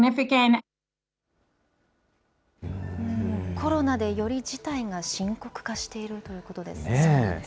コロナでより事態が深刻化しているということです。